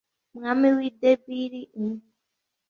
umwami w'i debiri, umwe